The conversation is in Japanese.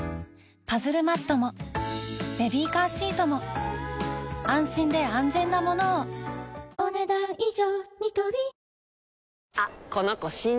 パズルマットもベビーカーシートも安心で安全なものをお、ねだん以上。